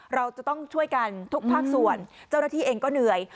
เราจะต้องช่วยกันทุกภาคส่วนเจ้าหน้าที่เองก็เหนื่อย